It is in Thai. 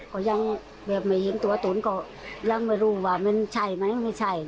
ก็ยังแบบไม่เห็นตัวตนก็ยังไม่รู้ว่ามันใช่ไหมไม่ใช่